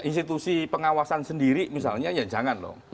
institusi pengawasan sendiri misalnya ya jangan dong